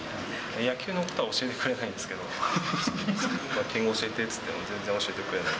野球のことは教えてくれないんですけど、バッティング教えてって言っても、全然教えてくれない。